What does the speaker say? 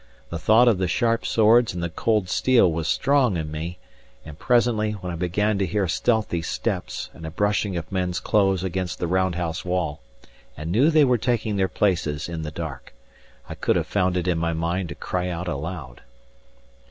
The thought of the sharp swords and the cold steel was strong in me; and presently, when I began to hear stealthy steps and a brushing of men's clothes against the round house wall, and knew they were taking their places in the dark, I could have found it in my mind to cry out aloud.